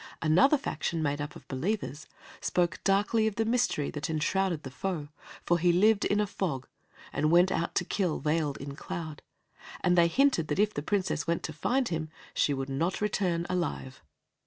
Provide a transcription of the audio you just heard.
Another faction, made up of believers, spoke darkly of the mystery that enshrouded the foe, for he lived in a fog, and went out to kill veiled in cloud, and they hinted that if the Princess went to find him, she would not return alive.